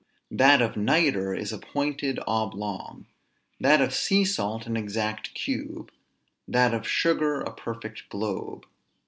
That of nitre is a pointed oblong; that of sea salt an exact cube; that of sugar a perfect globe.